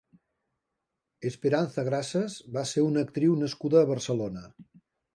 Esperanza Grases va ser una actriu nascuda a Barcelona.